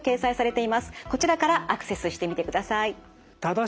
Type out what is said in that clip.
こちらからアクセスしてみてください。